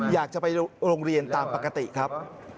อยากจะไปโรงเรียนตามปกติครับ